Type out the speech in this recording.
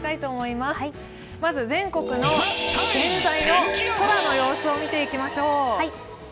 まず全国の現在の空の様子を見ていきましょう。